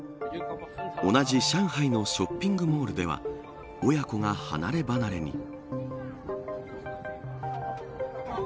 同じ上海のショッピングモールでは親子が離れ離れに。